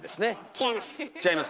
違います。